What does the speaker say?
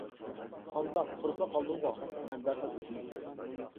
-قانداق، تۇرۇپلا قالدىڭغۇ؟ مەن دەرھال ئۆزۈمگە كەلدىم.